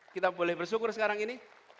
kita boleh bersyukur sekarang ini